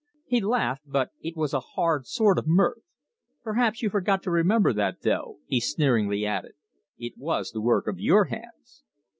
He laughed, but it was a hard sort of mirth. "Perhaps you forgot to remember that, though," he sneeringly added. "It was the work of your hands."